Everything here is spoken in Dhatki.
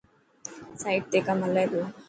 سائٽ تي ڪم هلي پيو.